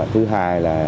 thứ hai là